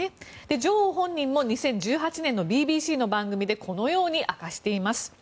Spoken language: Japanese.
女王本人も２０１８年のＢＢＣの番組でこのように明かしています。